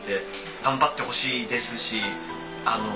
頑張ってほしいですしあの。